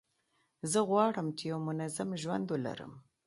زه غواړم چي یو منظم ژوند ولرم.